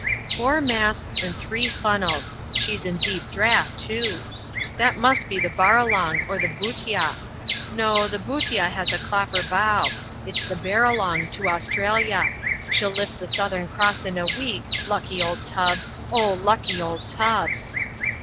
"Four masts and three funnels—she's in deep draught, too. That must be the Barralong, or the Bhutia. No, the Bhutia has a clopper bow. It's the Barralong, to Australia. She'll lift the Southern Cross in a week,—lucky old tub!—oh, lucky old tub!"